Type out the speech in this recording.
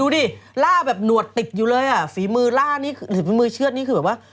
ดิล่าแบบหนวดติดอยู่เลยอ่ะฝีมือล่านี่ฝีมือเชือดนี่คือแบบว่า